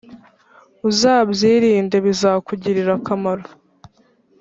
uzabwirindebizakugirira akamaro